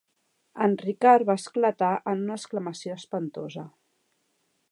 En Ricard va esclatar en una exclamació espantosa.